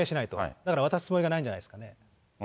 ですから渡すつもりはないんじゃないんですかね。